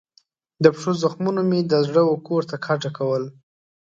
د پښو زخمونو مې د زړه وکور ته کډه کول